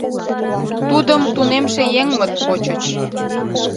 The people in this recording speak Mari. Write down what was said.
Тудым тунемше еҥмыт почыч.